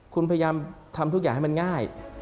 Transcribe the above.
คุณพยายามทำทุกอย่างให้มันง่าย